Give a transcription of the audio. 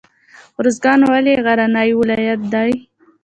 ارزګان ولې غرنی ولایت دی؟